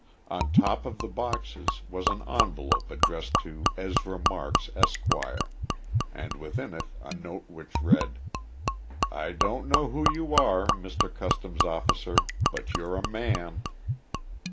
On top of the boxes was an envelope addressed to Ezra Marks, Esq., and within it a note which read, "I don't know who you are, Mr. Customs Officer, but you're a man!"